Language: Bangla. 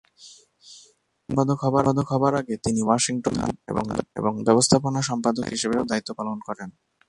নির্বাহী সম্পাদক হবার আগে তিনি ওয়াশিংটন ব্যুরো প্রধান এবং ব্যবস্থাপনা সম্পাদক হিসেবেও দায়িত্ব পালন করেন।